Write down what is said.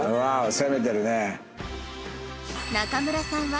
攻めてるね。